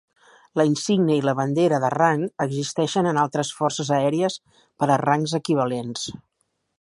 La insígnia i la bandera de rang existeixen en altres forces aèries per a rangs equivalents.